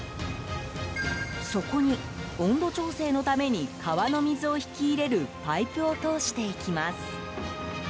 そこに、温度調整のために川の水を引き入れるパイプを通していきます。